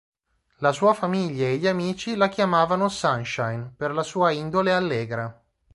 La sua famiglia e gli amici la chiamavano "Sunshine", per la sua indole allegra.